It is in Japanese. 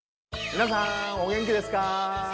皆さんお元気ですか？